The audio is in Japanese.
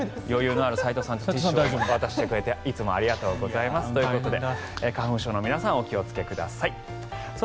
余裕のある斎藤さんはティッシュを渡してくれていつもありがとうございますということで花粉症の皆さんお気をつけください。